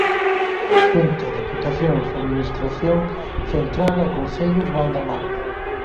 Xunta, deputacións, Administración central e concellos van da man.